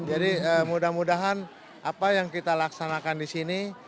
jadi mudah mudahan apa yang kita laksanakan di sini